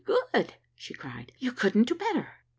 good!" she cried. "You couldn't do better."